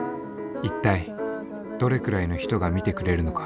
一体どれくらいの人が見てくれるのか。